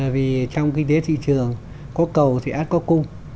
vì trong kinh tế thị trường có cầu thì át có cung